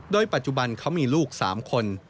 โดยปัจจุบันเขามีลูก๓คน